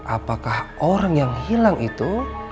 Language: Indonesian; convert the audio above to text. apakah orang yang hilang itu